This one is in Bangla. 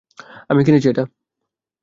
আমি কিনেছি এটা।